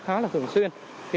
rất là thường xuyên